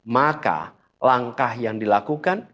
maka langkah yang dilakukan